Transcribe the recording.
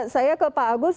saya ke pak agus